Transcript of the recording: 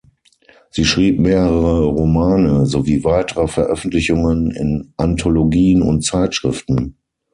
Sie schrieb mehrere Romane sowie weitere Veröffentlichungen in Anthologien und Zeitschriften.